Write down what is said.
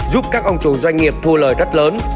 giúp các ông chủ doanh nghiệp thu lời rất lớn